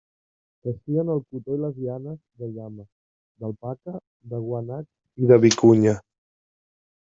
Teixien el cotó i les llanes de llama, d'alpaca, de guanac i de vicunya.